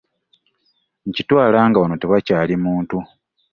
Nkitwala nga wano tewakyali muntu!